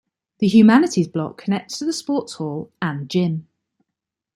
The Humanities Block connects to the Sports Hall and Gym.